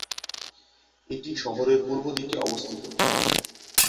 এটি শহরের পূর্বদিকে অবস্থিত।